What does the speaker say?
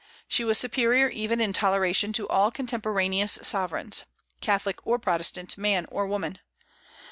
She was superior even in toleration to all contemporaneous sovereigns, Catholic or Protestant, man or woman.